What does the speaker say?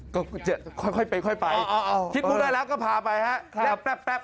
ก็ค่อยไปไปคิดมุมได้แล้วก็พาไปครับและแป๊บ